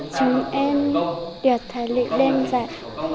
chúng em được thầy lị đem dạy